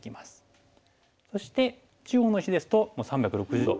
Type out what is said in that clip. そして中央の石ですと３６０度。